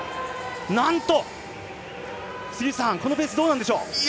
なんと、このペースどうなんでしょう。